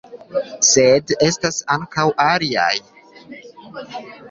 Sed estas ankaŭ aliaj.